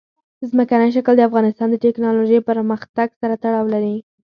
ځمکنی شکل د افغانستان د تکنالوژۍ پرمختګ سره تړاو لري.